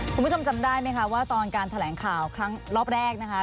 คุณผู้ชมจำได้ไหมคะว่าตอนการแถลงข่าวครั้งรอบแรกนะคะ